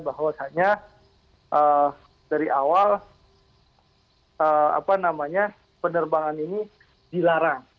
bahwa saatnya dari awal penerbangan ini dilarang